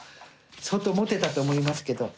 相当モテたと思いますけど。